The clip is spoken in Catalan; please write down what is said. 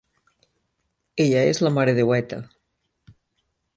Ella és la Maredeueta.